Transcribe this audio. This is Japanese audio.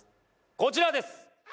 こちらです。